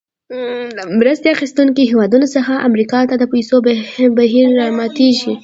د مرسته اخیستونکو هېوادونو څخه امریکا ته د پیسو بهیر راماتیږي.